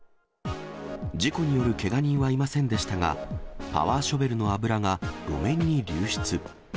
事故によるけが人はいませんでしたが、パワーショベルの油が路面に流出。